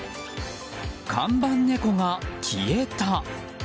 看板猫が消えた？